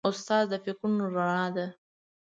استاد د فکرونو رڼا ده.